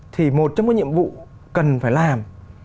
thì một trong những nhiệm vụ cần phải làm